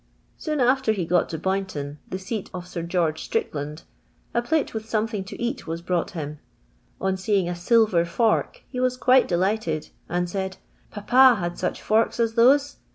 " Soon after he got to Boyntou, the seat of Sir George Strickhind, a plate with something to eat was brought him ; on seeing a silvt>r fork he was quite delighted, and said, * Papa had such forks as those.'